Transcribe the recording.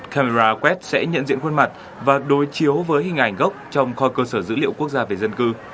camera quét sẽ nhận diện khuôn mặt và đối chiếu với hình ảnh gốc trong kho cơ sở dữ liệu quốc gia về dân cư